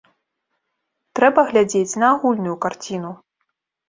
Трэба глядзець на агульную карціну.